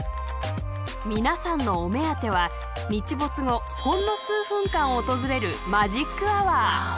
皆さんのお目当ては日没後ほんの数分間訪れるわあ